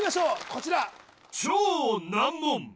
こちら